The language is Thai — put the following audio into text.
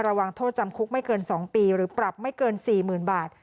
ระวังโทษจำคุกไม่เกิน๒ปีหรือปรับไม่เกิน๔๐๐๐บาท